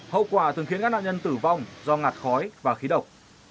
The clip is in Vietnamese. hậu quả thường khiến các nạn nhân tử vong do ngạt khói và khí độc